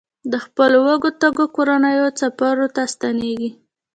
د خپلو وږو تږو کورنیو څپرو ته ستنېږي.